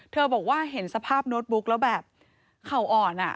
บอกว่าเห็นสภาพโน้ตบุ๊กแล้วแบบเข่าอ่อน